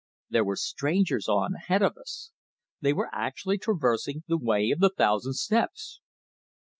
There were strangers on ahead of us! They were actually traversing the Way of the Thousand Steps!